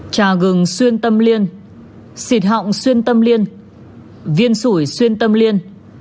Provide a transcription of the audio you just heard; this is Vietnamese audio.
trà gừng xuyên tâm liên xịt họng xuyên tâm liên viên sủi xuyên tâm liên